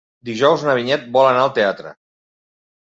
Dijous na Vinyet vol anar al teatre.